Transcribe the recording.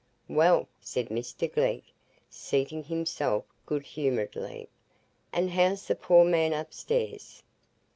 "Well," said Mr Glegg, seating himself good humouredly, "and how's the poor man upstairs?"